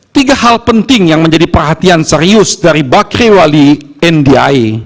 tiga hal penting yang menjadi perhatian serius dari pakriwali ndia